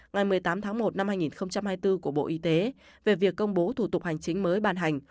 ngày một mươi tám tháng một năm hai nghìn hai mươi bốn của bộ y tế về việc công bố thủ tục hành chính mới ban hành